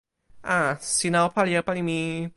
a. sina o pali e pali ni!